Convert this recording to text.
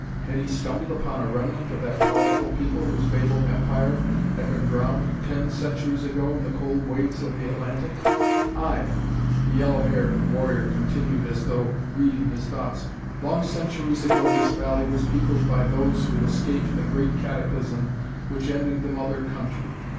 Had he stumbled upon a remnant of that powerful people whose fabled empire had been drowned ten centuries ago in the cold waves of the Atlantic? "Aye," the yellow haired warrior continued as though reading his thoughts, "long centuries ago this valley was peopled by those who escaped the great cataclysm which ended the mother country.